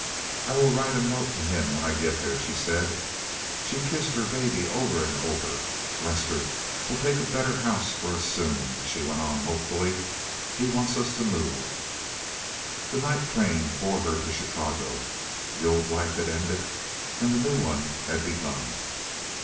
"I will write a note to him when I get there," she said. She kissed her baby over and over. "Lester will take a better house for us soon," she went on hopefully. "He wants us to move." The night train bore her to Chicago; the old life had ended and the new one had begun.